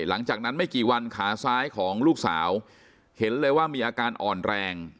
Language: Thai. หลังจากนั้นไม่กี่วันขาซ้ายของลูกสาวเห็นเลยว่ามีอาการอ่อนแรง